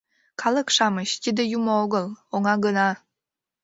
«Калык-шамыч, тиде юмо огыл, оҥа гына.